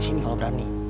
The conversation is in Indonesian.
sini kalo berani